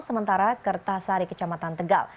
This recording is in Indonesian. sementara kertasari kecamatan tegal